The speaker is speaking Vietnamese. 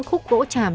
khúc gỗ tràm